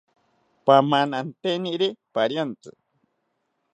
Pamananteniri pariantzi